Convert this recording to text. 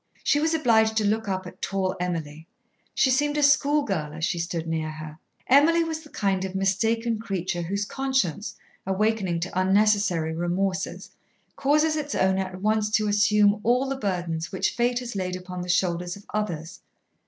She was obliged to look up at tall Emily. She seemed a schoolgirl as she stood near her. Emily was the kind of mistaken creature whose conscience, awakening to unnecessary remorses, causes its owner at once to assume all the burdens which Fate has laid upon the shoulders of others.